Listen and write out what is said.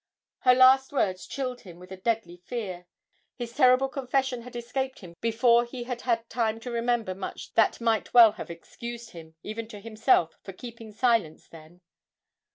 Her last words chilled him with a deadly fear; his terrible confession had escaped him before he had had time to remember much that might well have excused him, even to himself, for keeping silence then.